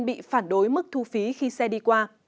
bị phản đối mức thu phí khi xe đi qua